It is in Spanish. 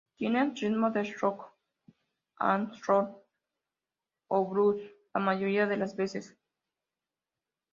Tienen ritmo de rock and roll o blues la mayoría de las veces.